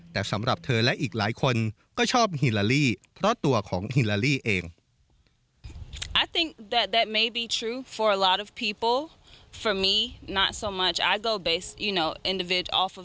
แต่สำหรับเธอและอีกหลายคนก็ชอบฮิลาลี่เพราะตัวของฮิลาลี่เอง